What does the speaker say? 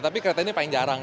tapi kereta ini paling jarang